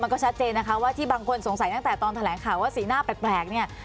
ก็ชัดเจนนะคะว่าที่บางคนสงสัยตั้งแต่ตอนแถลงข่าวว่าสีหน้าแปลกเนี่ย